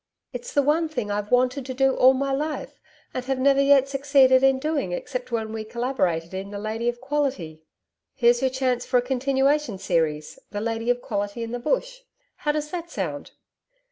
'It's the one thing I've WANTED to do all my life, and have never yet succeeded in doing except when we collaborated in "The Lady of Quality." 'Here's your chance for a continuation series, "The Lady of Quality in the Bush." How does that sound?'